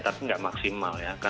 tapi nggak maksimal ya